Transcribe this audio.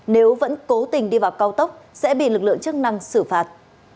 nếu vẫn cố tình đi vào cao tốc sẽ bị lực lượng chức năng xử phạt